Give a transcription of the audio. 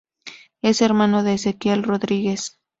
Es hermano de Ezequiel Rodríguez.